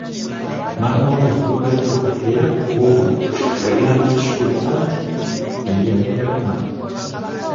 Maama we yakuulayo era ku olwo yagenda ne Kisuule anti yeyali yalima.